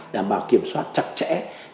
đảm bảo kiểm soát chặt chẽ